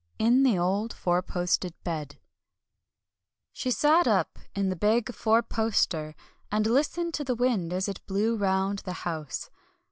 IN THE OLD FOUR POSTED BED She sat up in the big four poster and listened to the wind as it blew round the house.